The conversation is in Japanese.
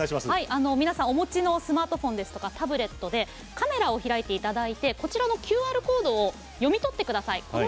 お持ちのスマートフォンやタブレットのカメラを開いていただいてＱＲコードを読み取ってください。